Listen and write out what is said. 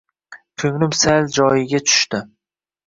Ko‘nglim sal joyiga tushdi.